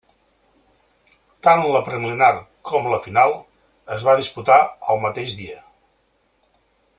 Tant la preliminar com la final es va disputar el mateix dia.